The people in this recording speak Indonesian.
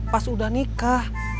pas udah nikah